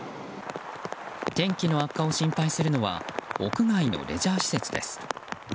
天気の悪化を心配するのは屋外のレジャー施設です。